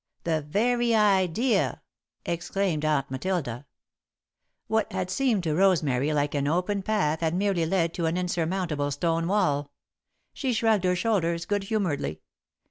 "The very idea," exclaimed Aunt Matilda. What had seemed to Rosemary like an open path had merely led to an insurmountable stone wall. She shrugged her shoulders good humouredly.